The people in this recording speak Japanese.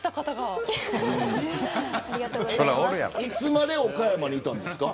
あいつまで岡山にいたんですか。